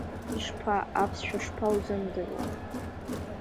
Ишԥа, аԥсшәа шԥаузымдыруа?!